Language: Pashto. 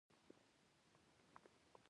یوه لویه دښته شروع کېږي.